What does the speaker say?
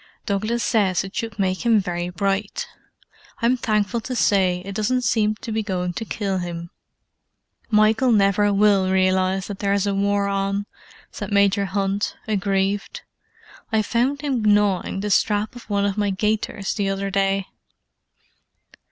Douglas says it should make him very bright. I'm thankful to say it doesn't seem to be going to kill him." "Michael never will realize that there is a war on," said Major Hunt, aggrieved. "I found him gnawing the strap of one of my gaiters the other day."